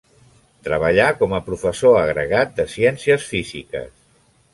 Treballà com a professor agregat de ciències físiques.